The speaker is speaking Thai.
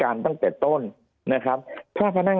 ภารกิจสรรค์ภารกิจสรรค์